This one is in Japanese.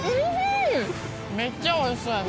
めっちゃおいしそうやな。